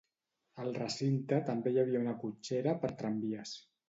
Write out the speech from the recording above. Al recinte també hi havia una cotxera per tramvies.